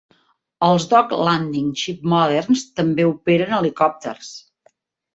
Els Dock Landing Ship moderns també operen helicòpters.